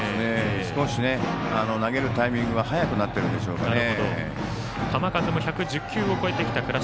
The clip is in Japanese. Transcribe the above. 少し投げるタイミングが早くなってるんでしょうかね。